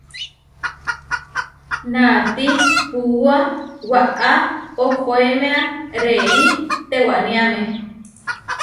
Naatí puúa waʼá ohoémea réi tewániame.